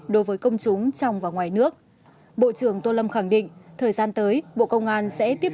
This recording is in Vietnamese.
đối với công chúng trong và ngoài nước bộ trưởng tô lâm khẳng định thời gian tới bộ công an sẽ tiếp